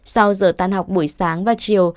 sau giờ tán học buổi sáng và chiều